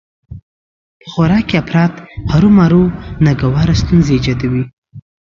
په خوراک کې افراط هرومرو ناګواره ستونزې ايجادوي